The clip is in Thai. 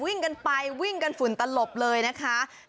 วิ่งติดติดโหวิ่งกันฝุ่นตรอบเลยนะคะ